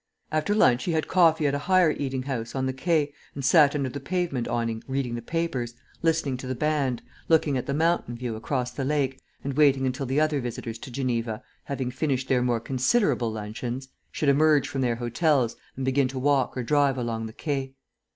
After lunch he had coffee at a higher eating house, on the Quai, and sat under the pavement awning reading the papers, listening to the band, looking at the mountain view across the lake, and waiting until the other visitors to Geneva, having finished their more considerable luncheons, should emerge from their hotels and begin to walk or drive along the Quai.